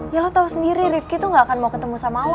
ya lo tau sendiri rifqi tuh gak akan mau ketemu sama lo